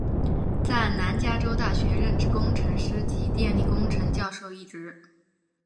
在南加州大学任职工程师及电力工程教授一职。